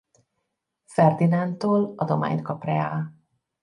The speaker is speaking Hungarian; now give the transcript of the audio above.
Ferdinándtól adományt kap reá.